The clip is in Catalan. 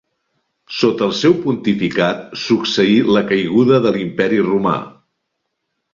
Sota el seu pontificat succeí la Caiguda de l'Imperi Romà.